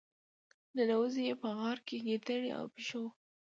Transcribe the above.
ننوزي یې په غار کې ګیدړ او پيشو.